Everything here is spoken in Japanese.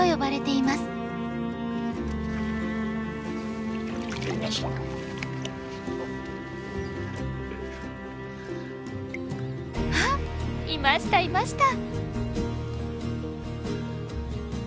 いましたいました。